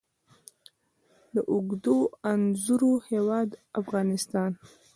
د اوږدو انځرو هیواد افغانستان.